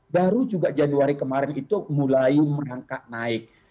baru juga januari kemarin itu mulai merangkak naik